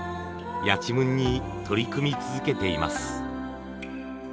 やちむんに取り組み続けています。